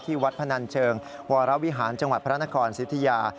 วัดพนันเชิงวรวิหารจังหวัดพระนครสิทธิยา